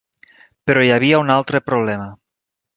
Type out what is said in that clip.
Però hi havia un altre problema.